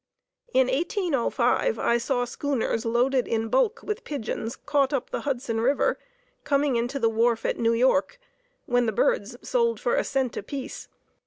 In 1805 I saw schooners loaded in bulk with pigeons caught up the Hudson River, coming into the wharf at New York, when the birds sold for a cent apiece.